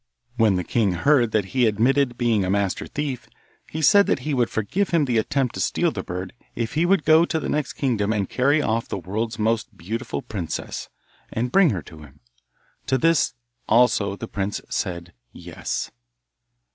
When the king heard that he admitted being a master thief, he said that he would forgive him the attempt to steal the bird if he would go to the next kingdom and carry off the world's most beautiful princess, and bring her to him. To this also the prince said 'Yes.